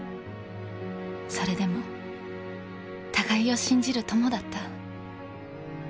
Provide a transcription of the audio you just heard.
それでも互いを信じる友だった。